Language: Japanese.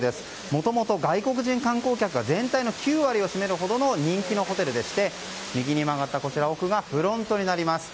もともと外国人観光客が全体の９割を占めるほどの人気のホテルでして右に曲がった奥がフロントになります。